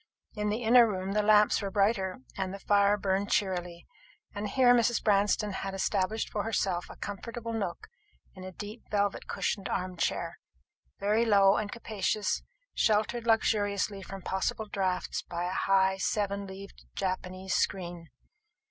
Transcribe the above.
In the inner room the lamps were brighter, and the fire burned cheerily; and here Mrs. Branston had established for herself a comfortable nook in a deep velvet cushioned arm chair, very low and capacious, sheltered luxuriously from possible draughts by a high seven leaved Japanese screen.